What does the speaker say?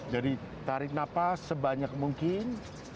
jadi tarik napas sebanyak mungkin